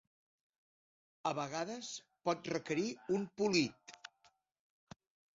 A vegades pot requerir un polit.